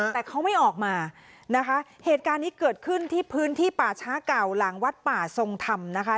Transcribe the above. แต่เขาไม่ออกมานะคะเหตุการณ์นี้เกิดขึ้นที่พื้นที่ป่าช้าเก่าหลังวัดป่าทรงธรรมนะคะ